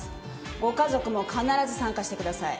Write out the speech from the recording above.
ご家族も必ず参加してください。